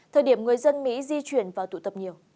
thời điểm người dân mỹ di chuyển và tụ tập nhiều